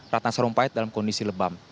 ratna sarumpait dalam kondisi lebam